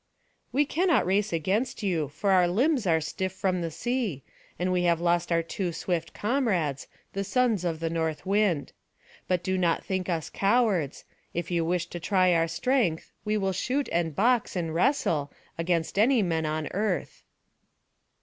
"We cannot race against you, for our limbs are stiff from sea; and we have lost our two swift comrades, the sons of the north wind. But do not think us cowards; if you wish to try our strength, we will shoot and box, and wrestle, against any men on earth."